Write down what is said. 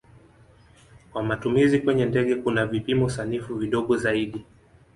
Kwa matumizi kwenye ndege kuna vipimo sanifu vidogo zaidi.